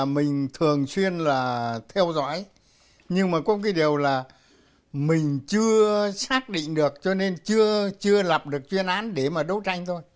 mình thường xuyên là theo dõi nhưng mà có cái điều là mình chưa xác định được cho nên chưa lập được chuyên án để mà đấu tranh thôi